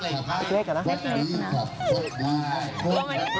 อีกเลขก่อนนะครับ